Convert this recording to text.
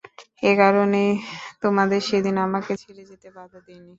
একারণেই তোমাদের সেদিন আমাকে ছেড়ে যেতে বাঁধা দেইনি।